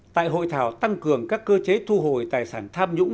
tại hội thảo tăng cường các cơ chế thu hồi tài sản tham nhũng